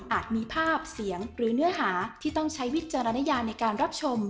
มีภาพเสียงหรือเนื้อหาที่ต้องใช้วิจารณญาในการรับชม